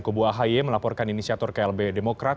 kubu ahy melaporkan inisiator klb demokrat